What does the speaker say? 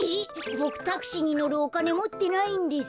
ボクタクシーにのるおかねもってないんです。